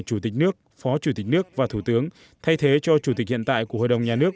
chủ tịch nước phó chủ tịch nước và thủ tướng thay thế cho chủ tịch hiện tại của hội đồng nhà nước